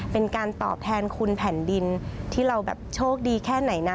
เป็นการตอบแทนคุณแผ่นดินที่เราแบบโชคดีแค่ไหนนะ